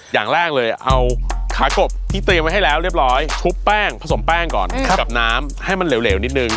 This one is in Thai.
อย่างแรกเลยเอาขากบที่เตรียมไว้ให้แล้วเรียบร้อยทุบแป้งผสมแป้งก่อนกับน้ำให้มันเหลวนิดนึง